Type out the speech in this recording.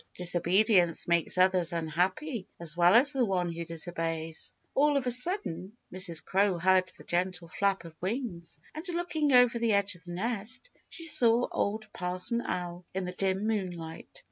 Disobedience makes others unhappy as well as the one who disobeys. All of a sudden Mrs. Crow heard the gentle flap of wings, and looking over the edge of the nest, she saw Old Parson Owl in the dim moonlight.